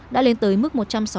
đã lên tới mức một trăm sáu mươi ba